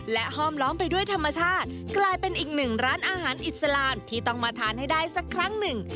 ห้อมล้อมไปด้วยธรรมชาติกลายเป็นอีกหนึ่งร้านอาหารอิสลามที่ต้องมาทานให้ได้สักครั้งหนึ่ง